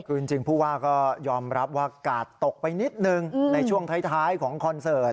คือจริงผู้ว่าก็ยอมรับว่ากาดตกไปนิดนึงในช่วงท้ายของคอนเสิร์ต